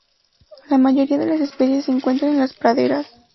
La mayoría de las especies se encuentran en las praderas.